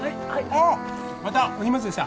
あっまたお荷物です。